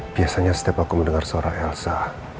biasanya setiap aku mendengar suara elsa